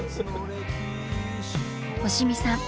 押見さん